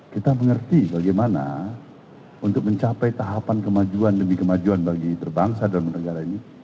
kita mengerti bagaimana untuk mencapai tahapan kemajuan demi kemajuan bagi terbangsa dan negara ini